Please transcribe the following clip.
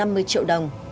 đến hạn chưa trả được